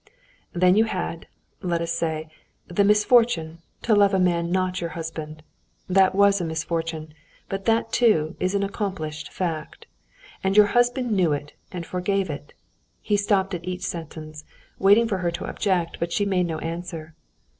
Then you had, let us say, the misfortune to love a man not your husband. That was a misfortune; but that, too, is an accomplished fact. And your husband knew it and forgave it." He stopped at each sentence, waiting for her to object, but she made no answer.